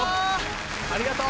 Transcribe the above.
ありがとう。